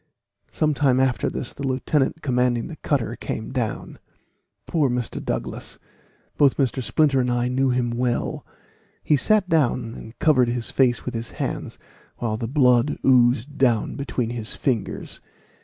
Some time after this the lieutenant commanding the cutter came down. Poor Mr. Douglas! both Mr. Splinter and I knew him well. He sat down and covered his face with his hands, while the blood oozed down between his fingers.